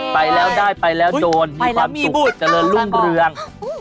ไปแล้วได้ไปแล้วโจรมีความสุขเจริญรุ่งเรือง